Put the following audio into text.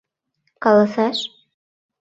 — Каласаш?